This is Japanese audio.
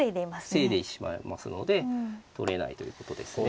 防いでしまいますので取れないということですね。